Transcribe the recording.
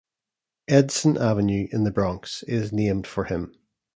Edson Avenue in the Bronx is named for him.